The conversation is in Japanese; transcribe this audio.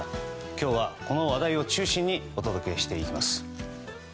今日はこの話題を中心にお届けしていきます。